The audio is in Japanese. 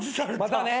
またね。